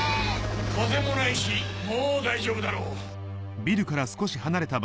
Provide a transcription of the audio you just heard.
風もないしもう大丈夫だろう。